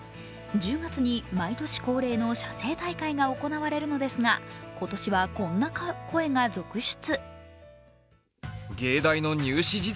１０月に毎年恒例の写生大会が行われるのですが、今年はこんな声が続出。